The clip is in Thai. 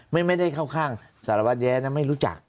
ไม่ได้เข้าข้างสารวัตรแย้นะไม่รู้จัก